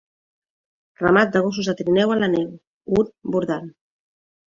Ramat de gossos de trineu a la neu, un bordant.